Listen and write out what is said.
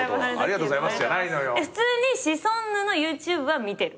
普通にシソンヌのＹｏｕＴｕｂｅは見てる。